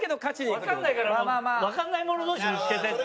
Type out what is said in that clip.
わかんないからもうわかんない者同士ぶつけて。